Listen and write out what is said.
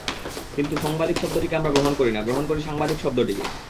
কিন্তু সংবাদিক শব্দটিকে আমরা গ্রহণ করি না, গ্রহণ করি সাংবাদিক শব্দটিকে।